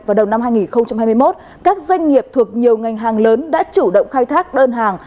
vào đầu năm hai nghìn hai mươi một các doanh nghiệp thuộc nhiều ngành hàng lớn đã chủ động khai thác đơn hàng